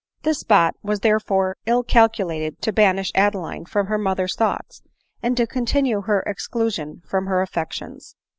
This spot was therefore ill calculated to banish Adeline from her mother's thoughts, and to continue her exclusion from her affections.